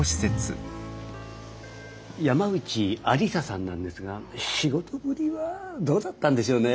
山内愛理沙さんなんですが仕事ぶりはどうだったんでしょうね？